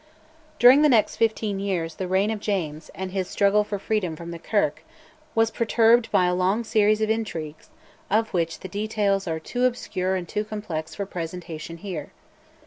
During the next fifteen years the reign of James, and his struggle for freedom from the Kirk, was perturbed by a long series of intrigues of which the details are too obscure and complex for presentation here.